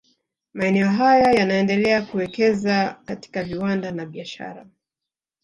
Maeneo haya yanaendelea kuwekeza katika viwanda na biashara